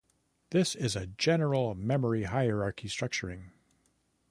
This is a general memory hierarchy structuring.